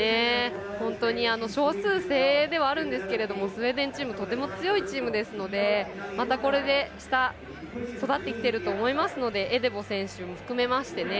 本当に少数精鋭ではあるんですけどスウェーデンチームとても強いチームですのでまたこれで下育ってきていると思いますのでエデボ選手も含めまして